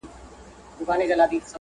موږ په میله او سیاحت کي یو